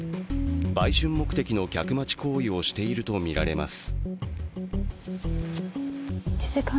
売春目的の客待ち行為をしているとみられます